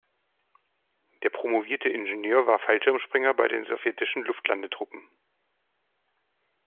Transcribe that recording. Der promovierte Ingenieur war Fallschirmspringer bei den sowjetischen Luftlandetruppen.